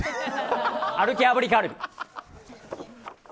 歩き炙りカルビ。